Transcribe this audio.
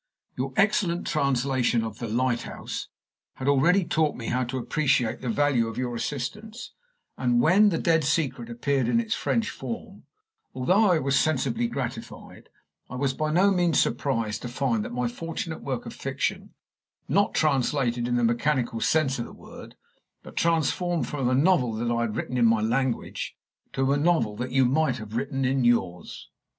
Your excellent translation of "The Lighthouse" had already taught me how to appreciate the value of your assistance; and when "The Dead Secret" appeared in its French form, although I was sensibly gratified, I was by no means surprised to find my fortunate work of fiction, not translated, in the mechanical sense of the word, but transformed from a novel that I had written in my language to a novel that you might have written in yours.